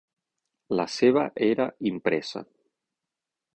La seva era impresa.